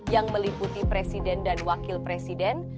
yang meliputi presiden dan wakil presiden